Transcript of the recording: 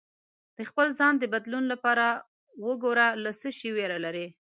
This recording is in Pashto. د خپل ځان د بدلون لپاره وګره له څه شي ویره لرې